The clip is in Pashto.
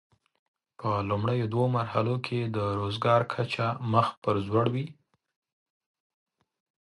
په لومړیو دوو مرحلو کې د روزګار کچه مخ پر ځوړ وي.